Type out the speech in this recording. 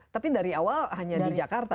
tapi dari awal hanya di jakarta